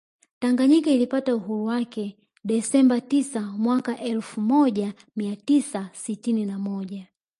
Taganyika ilipata uhuru wake Desemba tisa mwaka elfu moja mia tisa sitini na moja